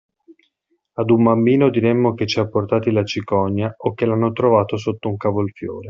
Ad un bambino diremmo che ci ha portati la cicogna o che l'hanno trovato sotto un cavolfiore.